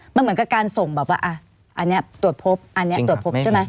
ตรวจโพธิ์อันนี้ตรวจโพธิ์ใช่มั้ย